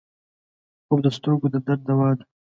خوب د سترګو د درد دوا ده